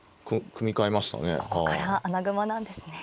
ここから穴熊なんですね。